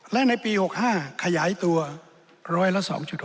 และในปี๖๕ขยายตัวร้อยละ๒๖